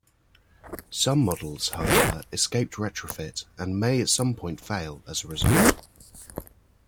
Some models, however, escaped retrofit and may at some point fail as a result.